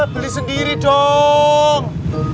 beli sendiri dong